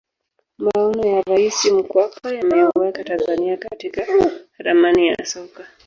maono ya raisi mkapa yameiweka tanzania katika ramani ya soka